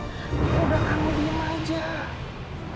udah kamu diem aja